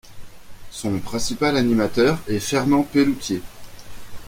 Son principal animateur est Fernand Pelloutier.